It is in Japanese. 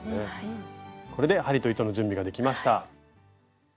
これで針と糸の準備ができました。